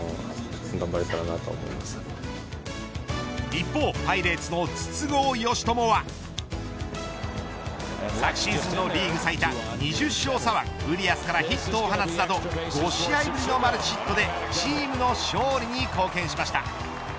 一方、パイレーツの筒香嘉智は昨シーズンのリーグ最多２０勝左腕ウリアスからヒットを放つなど５試合ぶりのマルチヒットでチームの勝利に貢献しました。